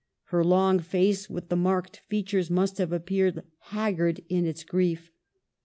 Her long face with the marked features must have appeared haggard in its grief.